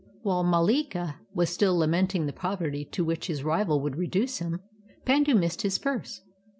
While Mallilca was still lamenting the poverty to which his rival would reduce him, Pandu missed his purse.